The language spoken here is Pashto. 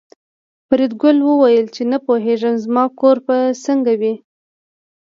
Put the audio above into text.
فریدګل وویل چې نه پوهېږم زما کور به څنګه وي